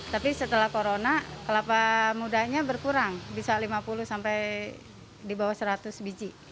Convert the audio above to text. tapi setelah corona kelapa mudanya berkurang bisa lima puluh sampai di bawah seratus biji